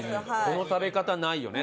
この食べ方ないよね